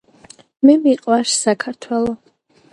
მე მიყვარს საქართელო